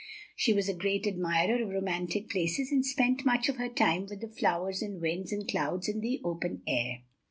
She was a great admirer of romantic places and spent much of her time with the flowers and winds and clouds in the open air.